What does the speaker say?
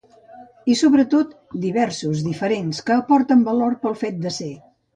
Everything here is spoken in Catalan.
I, sobretot, diversos, diferents, que aporten valor pel fet de ser.